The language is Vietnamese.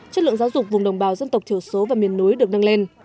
chất lượng giáo dục vùng đồng bào dân tộc thiểu số và miền núi được nâng lên